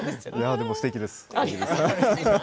でも、すてきです。